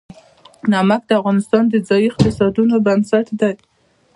نمک د افغانستان د ځایي اقتصادونو بنسټ دی.